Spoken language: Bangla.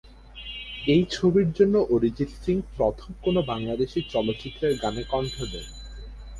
এই ছবির জন্য অরিজিৎ সিং প্রথম কোন বাংলাদেশি চলচ্চিত্রের গানে কণ্ঠ দেন।